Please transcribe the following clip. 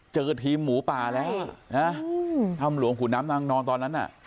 เจอทีมหมูป่าแล้วถ้ำหลวงขุนน้ำนางนอนตอนนั้นน่ะ